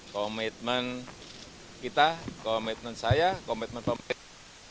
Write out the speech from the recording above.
komitmen kita komitmen saya komitmen pemerintah